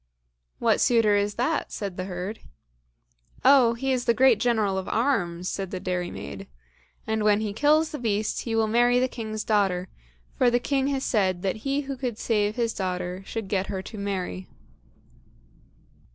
"What suitor is that?" said the herd. "Oh, he is a great General of arms," said the dairymaid, "and when he kills the beast, he will marry the king's daughter, for the king has said that he who could save his daughter should get her to marry."